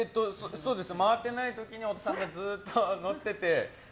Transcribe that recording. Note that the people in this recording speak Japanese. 回ってない時に太田さんがずっと乗ってて。